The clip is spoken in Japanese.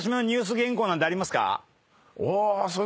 あ。